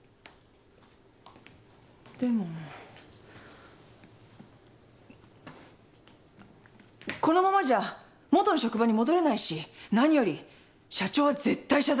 でもこのままじゃ元の職場に戻れないし何より社長は絶対謝罪しないわよ。